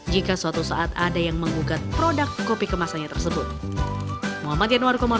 jika suatu saat ada yang menggugat produk kopi kemasannya tersebut